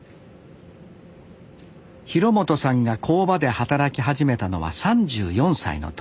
廣本さんが工場で働き始めたのは３４歳の時。